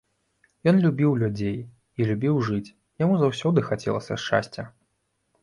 Ён любіў людзей і любіў жыць, яму заўсёды хацелася шчасця.